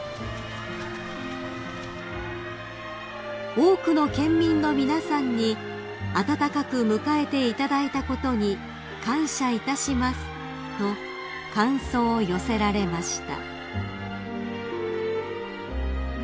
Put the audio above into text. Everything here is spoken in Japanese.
［「多くの県民の皆さんに温かく迎えていただいたことに感謝いたします」と感想を寄せられました］